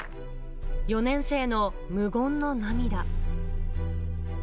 ４年生の無言の涙。